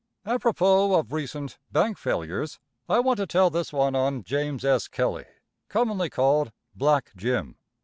Apropos of recent bank failures, I want to tell this one on James S. Kelley, commonly called "Black Jim."